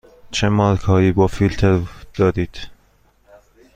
چه مارک هایی با فیلتر دارید؟